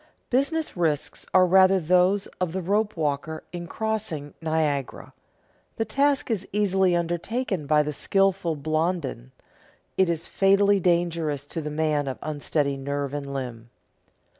Business risks are rather those of the rope walker in crossing Niagara; the task is easily undertaken by the skilful Blondin, it is fatally dangerous to the man of unsteady nerve and limb.